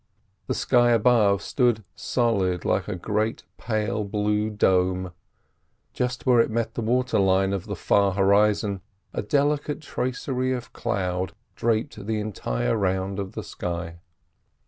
The sky above stood solid like a great pale blue dome; just where it met the water line of the far horizon a delicate tracery of cloud draped the entire round of the sky.